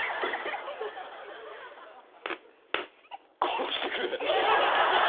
殺してくれ。